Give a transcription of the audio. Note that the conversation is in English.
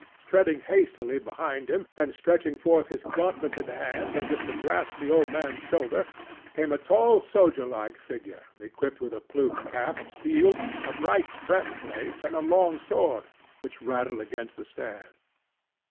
Treading hastily behind him, and stretching forth his gauntleted hand as if to grasp the old man's shoulder, came a tall soldier like figure equipped with a plumed cap of steel, a bright breastplate and a long sword, which rattled against the stairs.